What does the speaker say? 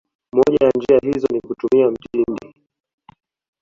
Moja ya njia hizo ni kutumia mtindi